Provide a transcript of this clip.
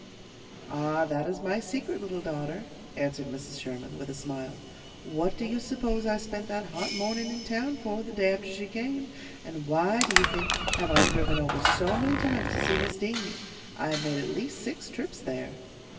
"Ah, that is my secret, little daughter," answered Mrs. Sherman, with a smile. "What do you suppose I spent that hot morning in town for, the day after she came, and why, do you think, have I driven over so many times to see Miss Dean? I have made at least six trips there."